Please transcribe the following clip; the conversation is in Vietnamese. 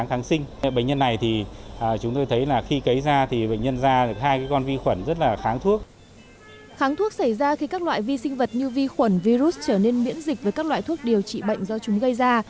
kháng thuốc xảy ra khi các loại vi sinh vật như vi khuẩn virus trở nên miễn dịch với các loại thuốc điều trị bệnh do chúng gây ra